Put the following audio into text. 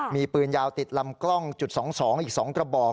มีปืนยาวติดลำกล้องจุด๒๒อีก๒กระบอก